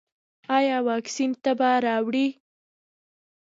ایا واکسین تبه راوړي؟